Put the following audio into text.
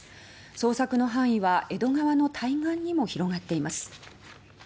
捜索の範囲は江戸川の対岸にも広がっています。